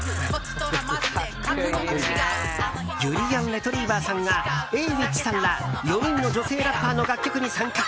レトリィバァさんがＡｗｉｃｈさんら４人の女性ラッパーの楽曲に参加。